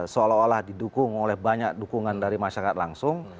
seolah olah didukung oleh banyak dukungan dari masyarakat langsung